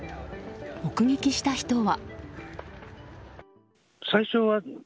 目撃した人は。